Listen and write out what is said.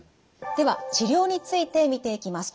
では治療について見ていきます。